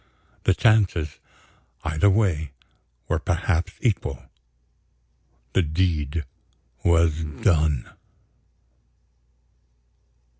The chances, either way, were perhaps equal. The deed was done.